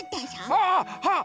ああっはっ！